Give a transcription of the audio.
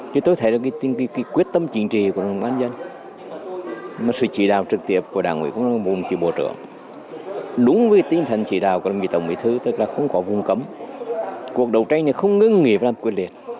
một đầu tranh này không ngưng nghĩa phải làm quyết liệt